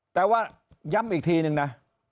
แต่ว่าย้ำอีกทีนึงนะ